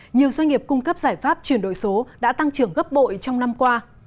nhiều doanh nghiệp cung cấp giải pháp chuyển đổi số đã tăng trưởng gấp bội trong năm qua